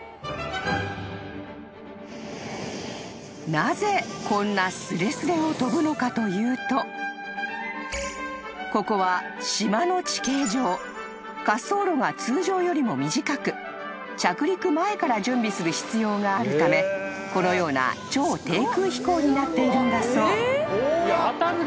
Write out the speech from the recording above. ［なぜこんなすれすれを飛ぶのかというとここは島の地形上滑走路が通常よりも短く着陸前から準備する必要があるためこのような超低空飛行になっているんだそう］